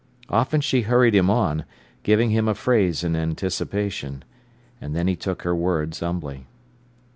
Often she hurried him on, giving him a phrase in anticipation. And then he took her words humbly.